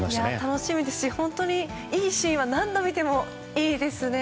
楽しみですしいいシーンは何度見てもいいですね。